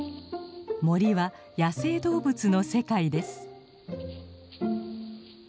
森は野生動物の世界です。